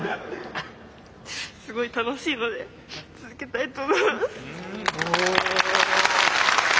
すごい楽しいので続けたいと思います。